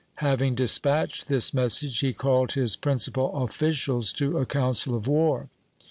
Having dispatched this message he called his prin cipal officials to a council of war.